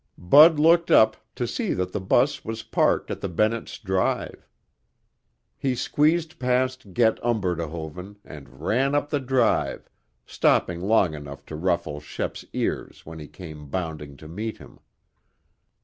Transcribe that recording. Bud looked up to see that the bus was parked at the Bennett's drive. He squeezed past Get Umberdehoven and ran up the drive, stopping long enough to ruffle Shep's ears when he came bounding to meet him.